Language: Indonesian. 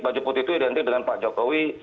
baju putih itu identik dengan pak jokowi